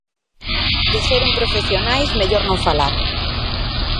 De seren profesionais mellor non falar.